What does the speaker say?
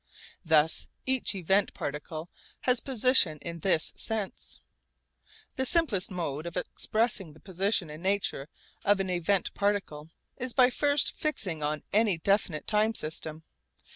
Thus each event particle has position in this sense. The simplest mode of expressing the position in nature of an event particle is by first fixing on any definite time system.